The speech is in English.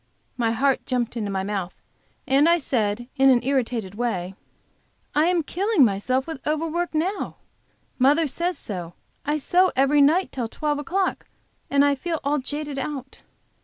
My heart jumped up into my mouth, and I said in an irritated way: "I am killing myself with over work now. Mother says so. I sew every night till twelve o'clock, and I feel all jaded out."